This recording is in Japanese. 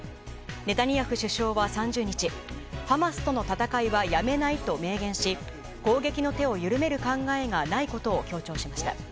ネタニヤフ首相は、３０日ハマスとの戦いはやめないと明言し、攻撃の手を緩める考えがないことを強調しました。